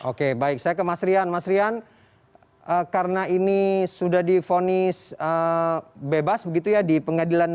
oke baik saya ke mas rian mas rian karena ini sudah difonis bebas begitu ya di pengadilan negeri